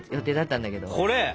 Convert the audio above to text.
これ？